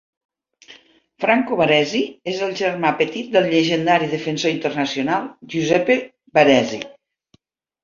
Franco Baresi és el germà petit del llegendari defensor internacional Giuseppe Baresi.